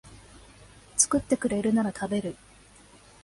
作ってくれるなら食べる